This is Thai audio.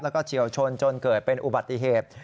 แล้วก็เฉียวชนจนเกิดเป็นอุบัติเหตุ